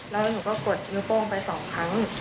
แล้วหนูก็กดนิ้วโป้งไปสองครั้ง